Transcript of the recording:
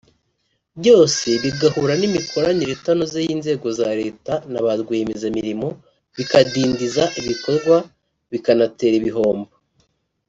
byose bigahura n’imikoranire itanoze y’inzego za Leta na ba rwiyemezamirimo bikadindiza ibikorwa bikanatera ibihombo